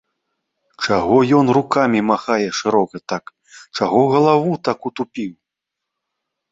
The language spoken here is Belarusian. Чаго ён рукамі махае шырока так, чаго галаву так утупіў?